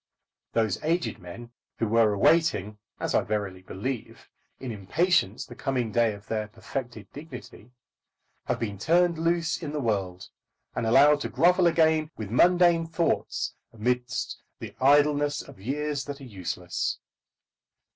Those aged men who were awaiting, as I verily believe, in impatience the coming day of their perfected dignity, have been turned loose in the world, and allowed to grovel again with mundane thoughts amidst the idleness of years that are useless.